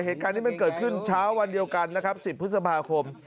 เหตุการณ์นี้มันเกิดขึ้นเช้าวันเดียวกันนะครับ๑๐พฤษภาคม